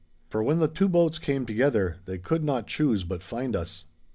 For when the two boats came together they could not choose but find us.